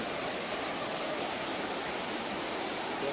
อ่า